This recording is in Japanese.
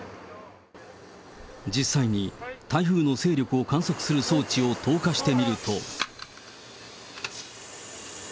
実際に台風の勢力を観測する装置を投下してみると。